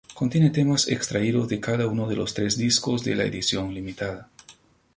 Contiene temas extraídos de cada uno de los tres discos de la edición limitada.